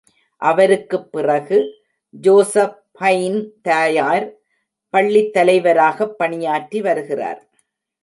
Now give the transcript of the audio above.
அவருக்குப் பிறகு ஜோசஃபைன் தாயார், பள்ளித் தலைவராகப் பணியாற்றி வருகிறார்.